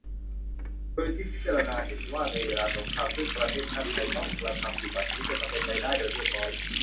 โดยที่พิจารณาเห็นว่า ในเวลาสงครามซึ่งประเทศชาติไทยต้องกระทำอยู่บัดนี้จะสำเร็จไปได้โดยเรียบร้อย